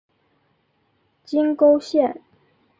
金沟线